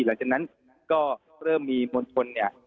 หลังจากนั้นก็เริ่มมีมวลชนเนี่ย